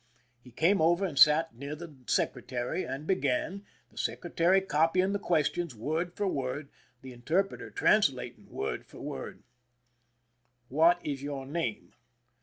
He came over and sat near the secretary, and began, the secretary copying the questions word for word, the interpreter translating word for word :" What is your name